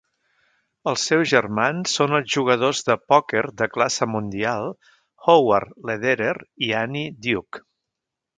Els seus germans són els jugadors de pòquer de classe mundial Howard Lederer i Annie Duke.